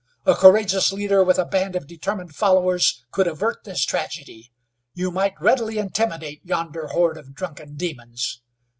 A courageous leader with a band of determined followers could avert this tragedy. You might readily intimidate yonder horde of drunken demons.